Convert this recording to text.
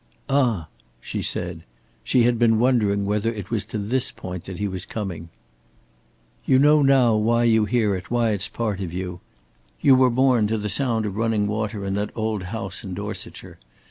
"Ah!" she said. She had been wondering whether it was to this point that he was coming. "You know now why you hear it, why it's part of you. You were born to the sound of running water in that old house in Dorsetshire.